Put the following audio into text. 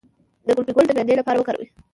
د ګلپي ګل د معدې لپاره وکاروئ